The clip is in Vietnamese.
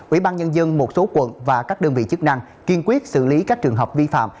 ủy ban nhân dân một số quận và các đơn vị chức năng kiên quyết xử lý các trường hợp vi phạm